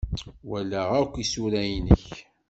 Walaɣ akk isura-nnek.